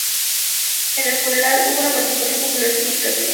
En el funeral, hubo una participación popular significativa.